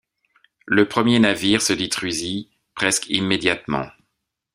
Le premier navire se détruisit presque immédiatement.